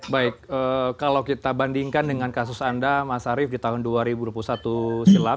baik kalau kita bandingkan dengan kasus anda mas arief di tahun dua ribu dua puluh satu silam